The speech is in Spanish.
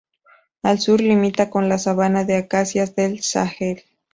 Al sur, limita con la sabana de acacias del Sahel.